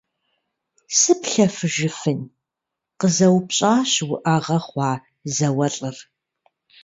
- Сыплъэфыжыфын? – къызэупщӀащ уӏэгъэ хъуа зауэлӏыр.